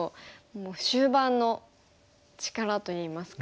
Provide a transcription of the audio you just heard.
終盤の力といいますか。